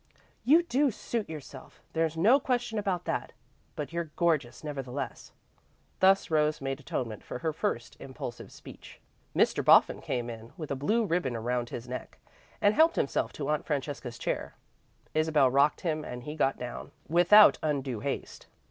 "You do suit yourself; there's no question about that, but you're gorgeous, nevertheless." Thus Rose made atonement for her first impulsive speech. Mr. Boffin came in, with a blue ribbon around his neck, and helped himself to Aunt Francesca's chair. Isabel rocked him and he got down, without undue haste.